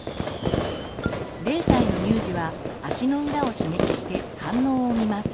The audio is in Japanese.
０歳の乳児は足の裏を刺激して反応を見ます。